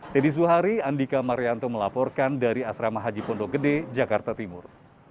teddy zuhari andika marianto melaporkan dari asrama haji pondok gede jakarta timur